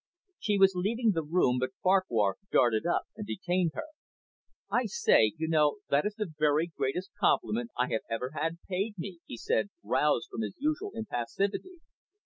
She was leaving the room, but Farquhar darted up and detained her. "I say, you know, that is the very greatest compliment I have ever had paid me," he said, roused from his usual impassivity.